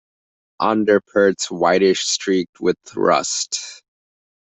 Underparts whitish streaked with rust.